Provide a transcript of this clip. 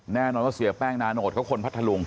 แน่นอนว่าเสียแป้งนาโนตเขาคนพัทธลุง